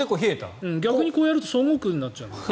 逆にこうやると孫悟空になっちゃう。